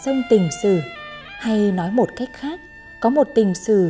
với những tình yêu đã sinh ra người dân có nhân tâm thuần hậu